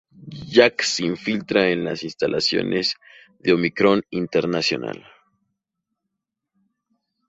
Jack se infiltra en las instalaciones de Omicron Internacional.